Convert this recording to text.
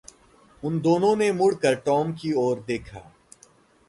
उन दोनों ने मुड़ कर टॉम की ओर देखा।